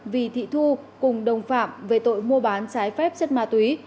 vì thị thu cùng đồng phạm về tội mua bán trái phép chất ma túy